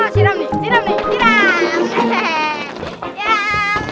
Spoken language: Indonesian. siram deh siram deh siram